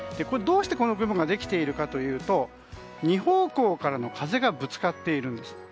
どうして、この部分ができてるのかというと２方向からの風がぶつかっているんです。